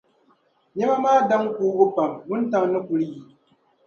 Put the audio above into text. Niɛma maa daŋ kuubu pam, wuntaŋ ni kuli yi.